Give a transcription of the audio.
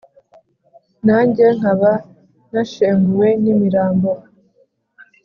nanjye nkaba nashenguwe n' imirambo,